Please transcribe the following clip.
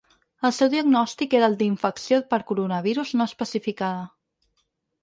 El seu diagnòstic era el d’infecció per coronavirus “no especificada”.